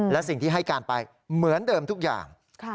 และสิ่งที่ให้การไปเหมือนเดิมทุกอย่าง